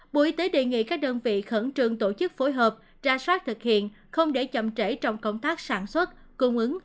bộ y tế đề nghị các đơn vị khẩn trương tổ chức phối hợp ra soát thực hiện không để chậm trễ trong công tác sản xuất cung ứng